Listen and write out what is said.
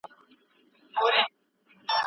ولې افغان سوداګر طبي درمل له چین څخه واردوي؟